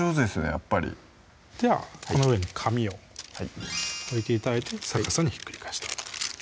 やっぱりではこの上に紙を置いて頂いて逆さにひっくり返しておきます